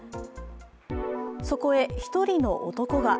そこへ一人の男が。